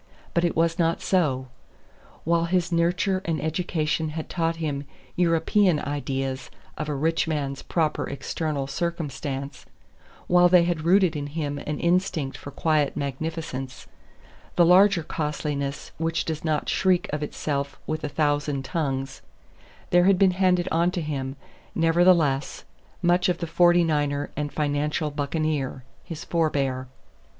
But it was not so. While his nurture and education had taught him European ideas of a rich man's proper external circumstance; while they had rooted in him an instinct for quiet magnificence, the larger costliness which does not shriek of itself with a thousand tongues; there had been handed on to him, nevertheless, much of the Forty Niner and financial buccaneer, his forbear.